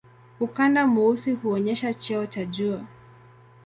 Ukanda mweusi huonyesha cheo cha juu.